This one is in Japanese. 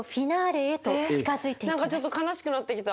何かちょっと悲しくなってきた。